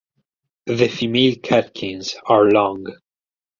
The female catkins are long.